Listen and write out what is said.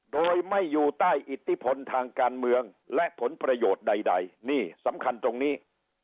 โดยไม่อยู่ใต้อิทธิพลทางการเมืองและผลประโยชน์ใดนี่สำคัญตรงนี้